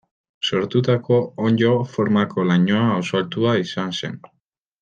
Sortutako onddo formako lainoa oso altua izan zen.